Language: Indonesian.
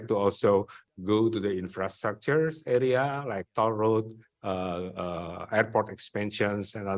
beberapa dari anda ingin pergi ke area infrastruktur seperti jalan tinggi ekspansi terbang dan lain lain